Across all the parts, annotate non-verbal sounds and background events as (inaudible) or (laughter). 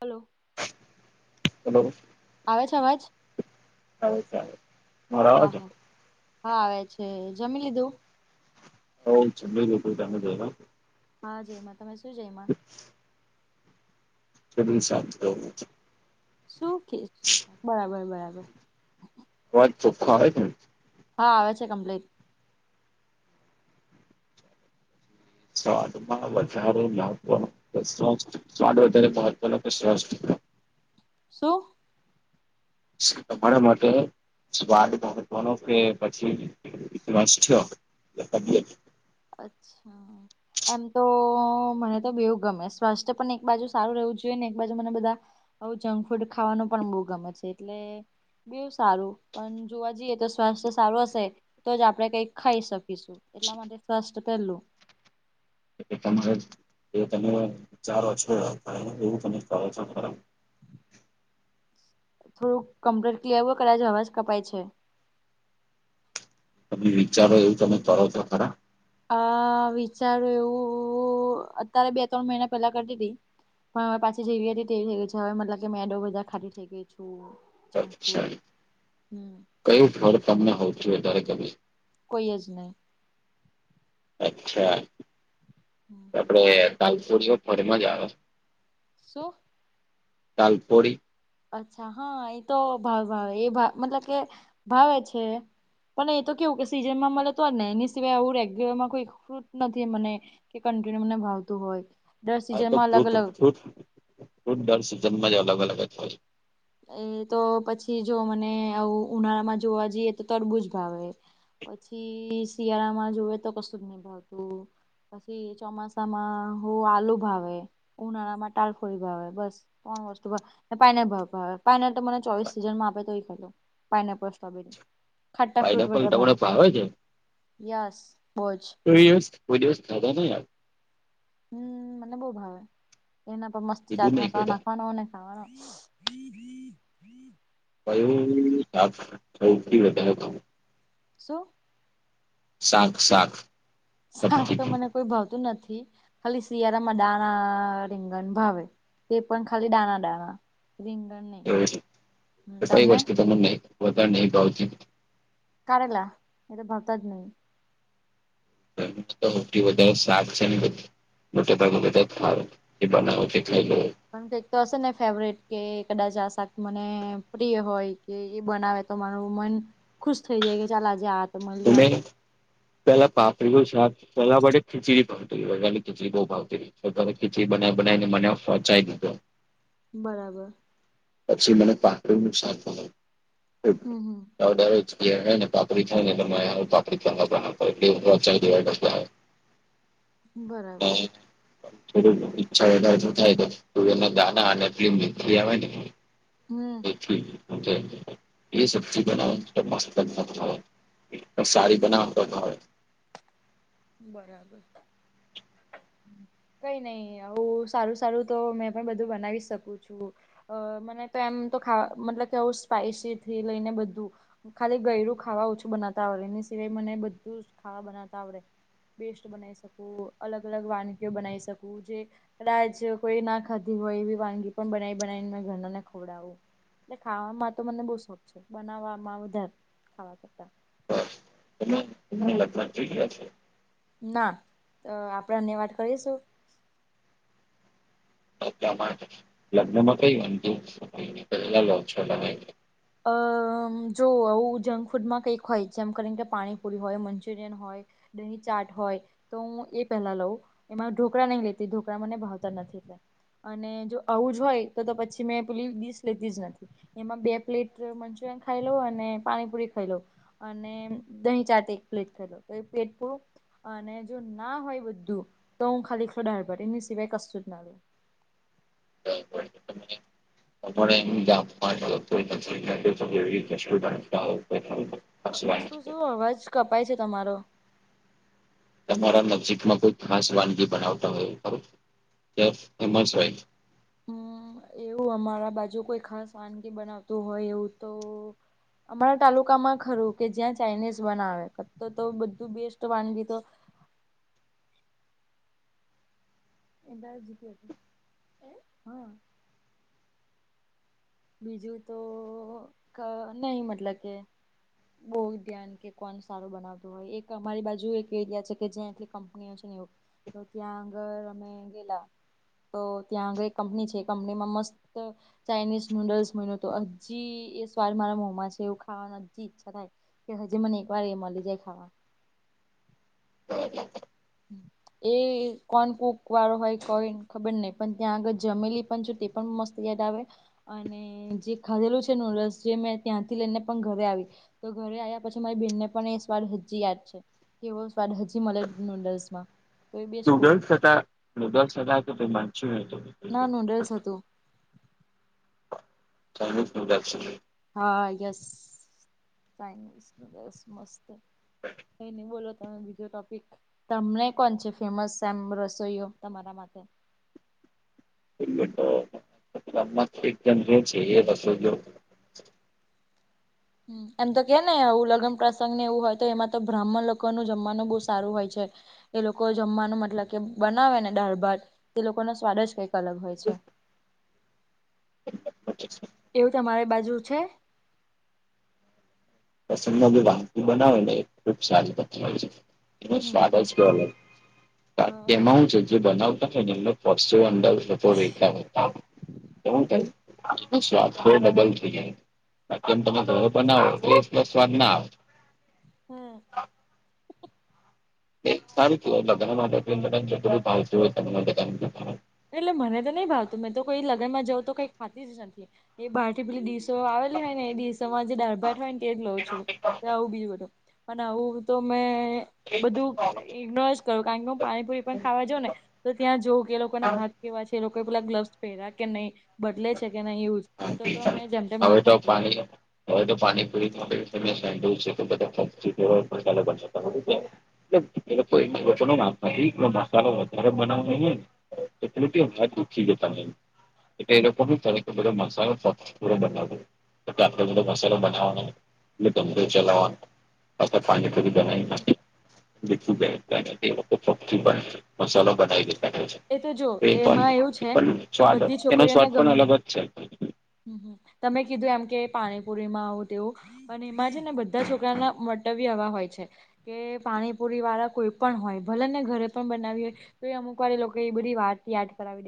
Hello hello આવે છે અવાજ (unintelligible) મારો હા અવાજ હા હા આવે છે જમી લીધું હો જમી લીધું તમે જયમાં હા જયમાં તમે શું જયમાં (unintelligible) શું કે બરાબર બરાબર અવાજ ચોખ્ખો આવે છે? હા આવે છે કમ્પ્લીટ સ્વાદમાં વધારો મહત્વ સ્વાદ વધારે (unintelligible) શું? તમારા મટે સ્વાદ મહત્વનો કે પછી રાષ્ટ્રીય (unintelligible) અચ્છા એમ તો, મને તો બેઉ ગમે, સ્વાસ્થ્ય પણ એક બાજુ સારું રહેવું જોઈએ, ને એક બાજુ મને બધા આવું જંક ફૂડ ખાવાનો પણ બહુ ગમે છે, એટલે બેઉ સારું, પણ જોવા જઈએ તો, સ્વાસ્થ્ય સારું હશે, તો જ આપડે કઈક ખાઈ શક એટલા માટે સ્વાસ્થ પેલું. તમારે એ તમે વિચારો છો પણ એવું તમે કહો છો ખરો. થોડું કેમ્પર ક્લેવ કરાઇજો અવાજ કપાય છે. તમલી વિચારો એવું તમે કરો છો ખરા? અ વિચારુ એવું, અત્યારે બે ત્રણ મહિના પેલા કરતી તી. પણ હવે પાછી જેવી હતી તેવી થઈ ગઈ છે, હવે મતલબ કે મેદો વધારે ખાતી થઈ ગઈ છું. જંક અચ્છા, ફૂડ હમ કયું ફળ તમને હોવતું વધારે ગમે? કોઈયજ નહીં. અચ્છા. હમ્મ આપડે દાલ ફોડીઓ ફર મજા આવે શું? દાળફોડી અચ્છા હા એ તો ભાવ ભાવે, એ મતલબ કે ભાવે છે. પણ એ તો કેવું કે સિઝનમાં મળે તોને, એની સિવાય આવું રેગ્યુલર માં કોઈ ફ્રૂટ નથી મને કે કન્ટિન્યુ મને ભાવતું હોય. દર હા તો સિઝનમાં અલગ ફુટ અલગ ફ્રૂટ ફ્રૂટ ડર સિઝનમાં જ અલગ અલગ જ હોય. એ તો પછી જો મને આવું ઉનાળામાં જોવા જઈએ તો તડબુંજ ભાવે. પછી શિયાળામાં જોવે તો કશુંજ નહી ભાવતું. પછી ચોમાસામાં હું આલુ ભાવે. ઉનાળામાં ટાલફોડી ભાવે, બસ ત્રણ વસ્તુ ભા, ને પાયને ભા ભાવે, પાઇને તો મને ચોવીસ સીઝનમાં આપે તોઇ ખાઇ લઉ, પાઇનેપલ, સ્રોબેરી. ખટ્ટા ફ્રૂટ પાઇનેપલ વધારે ભાવે, તમને છે યસ બોજ. પૂરી રસ, કોઈ દિવસ ખાધા નહીં યાર. હમ્મ, મને બહુ ભાવે, એના પર મસ્ત ચાટ કીધું નહીં મસાલો કોઈ દાડો. નાખવાનો અને ખાવાનો. (unintelligible) પરવડી ની શાક શૌથી વધારે ગમે. શું? શાક સાક શાક તો મને કોઈ ભાવતું નથી, ખાલી શિયાળામાં દાણા, રીંગણ ભાવે. તે પણ ખાલી દાણા દાણા, રીંગણ નહી. એવું છે, એ કઈ તમને વસતુ તમને વધારે નહી ભાવતી? કારેલા, એ તો ભરતા જ નહી. એમ સૌથી વધારે સાક છે ને બધ મોતે ભાગે બધાજ ભાવે, એ બનાવું તે ખાયલો. પણ કઈકતો હશેને ફેવરેટ, કે કદાચ આ શાક મને પ્રિય હોય. કે એ બનાવે તો માર મન ખુશ થઈ જાય, કે ચાલ આજે આ તો મળ્યું તુમે, આમ પેલા પાપરીનુ શાક. પેલા મને ખિચડી ભાવતી, ગર્લિક ખિચડી બહુ ભાવતી. તો તરે ખીચડી બનાવી બનાવીને મને ફોચાઈ દીધો. બરાબર. પછી મને પાપડી નુ શાક ભાવે ખુબ. હમ હમ (unintelligible) કિયા હોયને પાપડી (unintelligible) બરાબર મેં થોડું ઈચ્છા થાય તો તુવેર ના દાના અને ફિલ્મ ભી આવે ને હમ એ સબ્જી બનાવો તપાસ કરતા ખા સારી બનાવતો હવે. બરાબર. (inaudible) કઈ નહી હું સારું સારું તો મેં પણ બધું બનાવી શકું છું. અ મને તો એમ તો ખા મતલબ કેું સ્પાઈસી થી લઈને બધું. ખાલી ગયરું ખાવા ઓછું બનાવતા આવડે એની સિવાય મને બધું જ ખાવા બનાવતા આવડે બેસ્ટ બનાવી શકું અલગ અલગ વાનગીઓ બનાવી શકું જે કદાચ કોઈ ના ખાધી હોય એવી વાનગી પણ બનાવી બનાવીને મે ઘરના ને ખવડાવું. એટલે ખાવામાં તો મને બહુ શોખ છે બનાવવામાં વધારે ખાવા કરતા. એમની લગન જોઈયા છે. ના આપણેની વાત કરીશું. માટે લગ્ન માં કઈ વાનતુ પેલા લોછો તમે અ જો આવું જંક ફૂડમાં કંઈક હોય જેમ કરીને કે પાણીપુરી હોય મંચુરિયન હોય. દહી ચાટ હોય તો હું એ પહેલા લઉં એમાં ઢોકા નહીં લેતી ઢોકળ મને ભાવતા નથી એ અને જો આવું જ હોય તો તો પછી મેં પેલી દીસ લેતી જ નથી એમાં બે પ્લેટ મંચુરિયન ખાઈ લો અને પાણીપુરી ખાઈ લો. અને દહીં ચાતે એક પ્લેટ થ તો પ્લેટ પૂ અને જો ના હોય બધું તો હું ખાલીલો દારભટીની સિવાય કશું જ ના લઉ. તમને. આપ એમ જા તોઈ નથીવી રી શું શું અવાજ કપાય છે તમારો તમારા નજીકમાં કોઈ ખાસ વાનગી બનાવતા હોય ખરૂ હેમાંશભાઈ. હમ એવું અમારા બાજુ કોઈ ખાસ વાનગી બનાવતું હોય એવું તો અમારા તાલુકામાં ખરું કે જ્યાં ચાાઈનીઝ બનાવે તો બધું બેસ્ટ વાનગી તો. એ બ જીતી છે એ હા. બીજું તો નહી મતલબ કે બહુ ધ્યાન કે કોણ સારું બનાવતું હોય એક અમારી બાજુ એક એરિયા છે કે જ્યાટલી કંપનીઓ છે નેવ. તો ત્યાં આગળ અમે ગેલા. તો ત્યાં આગળ એક કંપની છે કંપનીમાં મસ્ત ચાઇનીઝ નૂડલ્સ મહિનો તો હજી એ સ્વાદ મારા મોમાં છે એવું ખાવાનું હજી ઈચ્છા થાય. કે હજી મને એક વાર એ મળી જાય ખાવા (inaudible) એ કોણ કૂક વાળો હોય કોઈ ખબર નહ પણ ત્યાં આગળ જમેલી પણ છે. પણ મસ્તી ગેટ આવે. અને જે ખાધેલું છે ન રસ જે મેં ત્યાંથી લઈને પણ ઘરે આવી. તો ઘરે આવ્યા પછી મારી બેન ને પણ એ સ્વાદ હજી યાદ છે કેવો સ્વાદ હજી મળે. નુટશમા. નુગલ્સ હતા નૂગલ્સ હતા હતા તો વાચ્યું હતો. ના નૂડલ્સ હતું. (inaudible) હા યસ ચઇઝસ મસ્ત કઈ નહી બોલો તમે બીજો ટોપિક તમને કોણ છે ફેમસ સામ રસોઈઓ તમારા માટે એ તો એકદમ રે છે એ તો શો જો. એમ તો કે ને આવું લગ્ન પ્રસંગ ને એવું હોય તો એમાં તો બ્રાહ્મણ લોકો નુ જમવાનું બહુ સારું હોય છે. એ લોકો જમવાનું મતલબ કે બનાવે ને દાળ ભાત એ લોકોનો સ્વાદ જ કંઈક અલગ હોય છે. એવું તમારી બાજુ છે. પસંદમા કોઈ વાનગી બનાવે ને ખૂબ સાદ બતી હોય છે એનો હમ હમ સ્વાદ જ છે હા તેમાં હું છે જે બનાવતા થાય ને એ (unintelligible) સ્વાદ થોડો ડબલ થઈ જાયમ તમે ઘરો પણ ના તો પ્લસ સ્વાદ ના આવે હમ્મ એક તારીખ લગ્ન માટેું પહચું (unintelligible) એટલે મને તો નહી ભાવતું મેં તો કોઈ લગનમાં જવું તો કઈ ખાતી જ નથી એ બારથી પેલી ડીસો આવેલી હોય ને એ ડીસ જે ડાળબાટ હોય ને તે જ લઉં છું આવું બીજું બધું પણ આવું તો મેં બધું ઈગ્નોર જ કરું કારણ કે હું પાણીપુરી પણ ખાવા જઉ ને તો ત્યાં જોઉ કે લોકો એ લોકો પેલા ગ્લવ્સ પહેર્યા કે નહી બદલે છે કે નહી એ યુઝ જ તો તો મેં જેમ (unintelligible) તેમ હવે તો પાની (unintelligible) એ લોકો મસાલો નાખતા હોયે કોઈ મસાલો વધારે બનાવોઈ ને તો તે તે હાથ દુઃખી જતા હોયે તો તે લોકો હુ કરે બધો મસાલો સ ફક્ત પૂરા બનાવું તો આપે બધો મસાલો બનાવવાનો એટંગ ચલાવવાનો અ પાણીપુરી બનાય નાખું (unintelligible) મસાલો બનાવી દેતા હોયે એ તો જો એમાં છે એવું એ પણ સ્દ એનો સ્વાદ પણ અલગ હોયે છે હમ્મ હમ્મ તમે કીધું એમ કે પાણીપુરીમાં આવું તેવું અને એમાં છે ને બધા છોકરાના મટવ્ય આવા હોય છે કે પાણીપુરી વાળા કોઈ પણ હોય ભલે ને ઘરે પણ બનાવી હોય તો એ અમુક વાળી લોકો એ બધી વાત યાદ કરાવ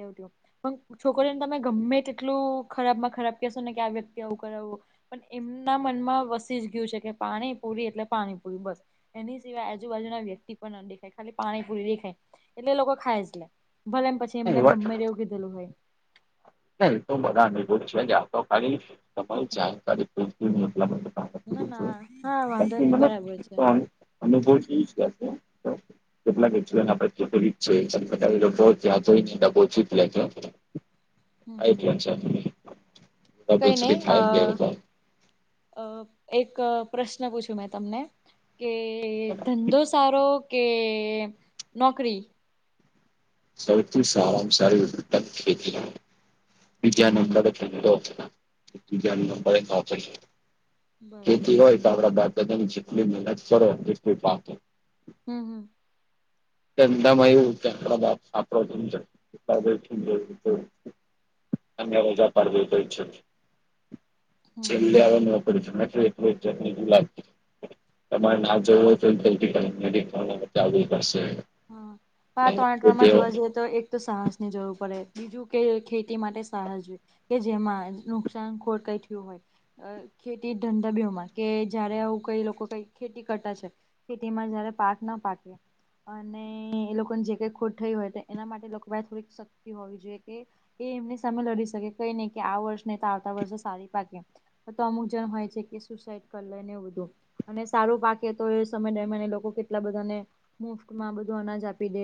પણ છોકરીને તમે ગમે તેટલું ખરાબ માં ખરાબ કહેશો ને કે આ વ્યક્તિ આવવું કરાવું પણ એમના મનમાં વસી જ ગયું છે કે પાણી પૂરી એટલે પાણી પૂરી બસ એની સિવાય આજુબાજુના વ્યક્તિ પણ ન દેખાય ખાલી પાણીપુરી દેખાય એટલે એ લોકો ખાય છે ભલે એમ પછી એમને ગમે એવું કીધેલું હોય ચાલ બાષા બે? એ તો બધાનેભો જ છે આ તો ખાલી તમારી જાણકારી પ એટલા મને ના ના હા વાંધો નહી બરાબર છે અનુભવ પછી મને (unintelligible) (unintelligible) હમ કઈ નહી (unintelligible) અ એક પ્રશ્ન પૂછ્યું મેં તમને કે ધંધો સારો કે નોકરી સૌથી સારામા સારી ઉ ખેતી બીજા નંબરે ધન્ધો તીજા વિજ્યા નંબરે નોકરી બરાબર ખેતી હોય તો આપણા બાપ દાદાની જેટલી મહેનત કરો એટલી હમ્મ હમ્મ ચંદામાં એવું આપણા બા (unintelligible) અને રજા પાડવી હોય છે હમ છેલ્લે હમ હવે નોકરી હમ (unintelligible) (unintelligible) આવવી પડશે હા તો આ ત્રણે ટ્રમાં જોવા જઈએ તો એક તો સાહસ ની જરૂર પડે બીજું કે ખેતી માટે સાહસ જો કે જેમાં નુકસાન ખોરકઈ થયું હોય અ ખેતી ધંધા બેમાં કે જયારે આવું કઈ લોકો કઈ ખેતી કરતા છે ખેતી માં જયારે પાક ના પાકે અને એ લોકોને જે કઈ ખોટ થઈ હોય તો એના માટે લોકો થોડીક શક્તિ હોવી જોઈએ કે એ એમને સામે લડી શકે કઈ નહી કે આ વર્ષ નને આવતા વર્ષે સારી પાકે તો અમુક જન હોય છે કે સુસાઈડ કરી લેને એવુ બધું અને સારું પાકે તો એ સમય ડમ એ લોકો કેટલા બધાને મુફત માં બધું અનાજ આપી દે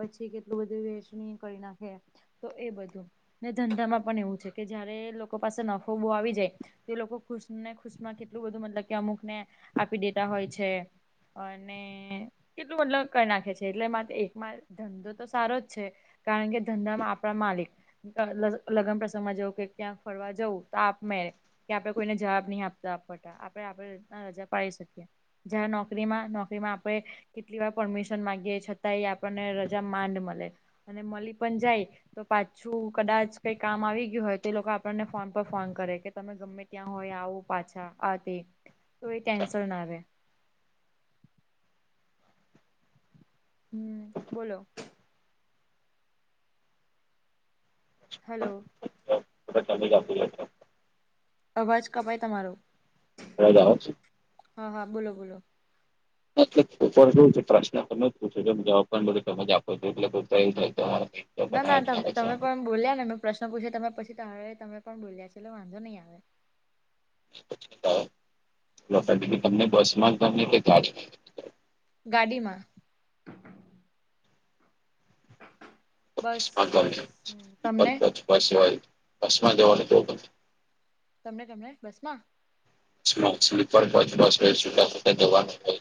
પછી કેટલું બધું વેચણી કરી નાખે. તો એ બધું ને ધંધામાં પણ એવું છે કે જયારે લોકો પાસે નફો બો આવી જાય તે લોકો ખુશને ખુશમાં કેટલું બધું મતલબ કે અમુક ને આપી દેતા હોય છે. અને, એટલું મતલબ કરી નાખે છે એટલેમાં એકમાં ધંધો તો સારો જ છે. કારણ કે ધંધામાં આપણા માલિક લગ્ન પ્રસંગમાં જવું કે ક્યાંક ફરવા જવું તો આપ મે કે આપણે કોઈને જવાબ નહી આપતા આપતા આપણે આપણે ર રજા પાડી શકીએ. જં નોકરીમાં નોકરીમાં આપણે કેટલી વાર પરમિશન માગીએ છતાં એ આપણને રજા માંડ મળે અને મળી પણ જાય, તો પાછું કદાચ કઈ કામ આવી ગયું હોય તો એ લોકો આપણને ફોન પર ફોન કરે કે તમે ગમે ત્યાં હોય આવું પાછા આ તે તો એ કેન્સલ ના આવે. હમ બોલો હલો! જતી (inaudible) અવાજ કપાય તમારો, અવાજ આવે છે? હા હા બોલો બોલો (unintelligible) પ્રશ્ન કર પૂછુંમ જવાબ પણ મળ્યો તોજ આપો છો એટલે જાય તમારે ના ના તમે પણ ભૂલ્યા ને મેં પ્રશ્ન પૂછ્યો તમે પછી ત તમે પણ ભૂલ્યા છે એટલે વાંધો નહીં આવે. હમ તમને બસમાનને કે ક (inaudible) ગાડીમાં બસ અસ્માત તમને સવાય અસ્માત જવાનું તો? તમને તમને બસ માં? સ્લીપર બ બસ હો જટા થતા જવાનું હોય.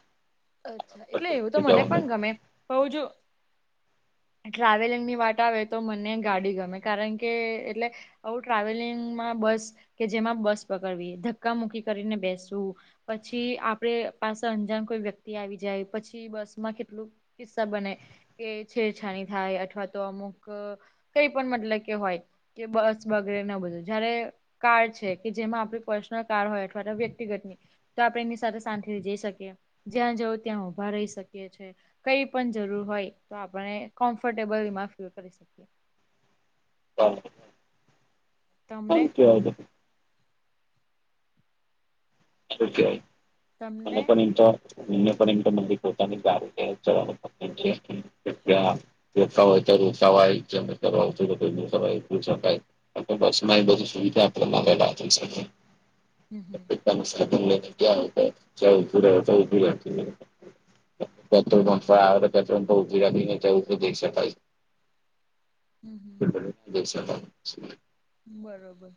અચ્છા એટલે એવું તો મને પણ જવાનું ગમે હોઉ જો ટ્રાવેલિંગ ની વાત આવે તો મને ગાડી ગમે કારણ કે એટલે આવું ટ્રાવેલિંગમાં બસ કે જેમાં બસ પકડવી ધક્કા મુકી કરીને બેસવું. પછી આપડ પાસે અંજાન કોઈ વ્યક્તિ આવી જાય પછી બસ માં કેટલું કિસ્સા બને. કે છેછાની થાય અથવા તો અમુક કઈ પણ મતલબ કે હોય. કે બસ વગેરે ન બધું જયારે કાર છે કે જેમાં આપણી પર્સનલ કાર હોય અથવા તો વ્યક્તિગતની તો આપડણે એમની સાથે શાંતિથી જઈ શકીએ જ્યાં જવું ત્યાં ઉભા રહી શકીએ છીએ. કઈ પણ જરૂર હોય તો આપણે કમ્ફર્ટેબલમાં ફીલ કરી શકીએ. હ તમને સાચ (unintelligible) આ્ય મને તમને પણ એમ તો અમને પણ મંદ પોતાની ગારી ચલાવવા પ રતા હોય ત્યારે ઉસાવાયયકાય. બસ માં એ બધી સુવિધા આપડે નલાત શકીએ. હમ હમ આપનું પોતાનું સાધન લઈ ને ગ્યા હોયે. તો જયાં ઉભું રહ્યા ઉભ રહે. પેટ્રોલ પપ આવે પેટ્રોલ ઉભી રાખીને તો એવું તો દેખ શકાઈ. હમ હમ (inaudible) બરોબર